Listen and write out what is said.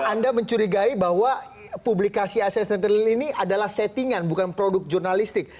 anda mencurigai bahwa publikasi asia sentinel ini adalah settingan bukan produk jurnalistik